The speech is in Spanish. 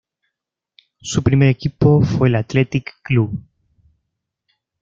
Su primer equipo fue el Athletic Club.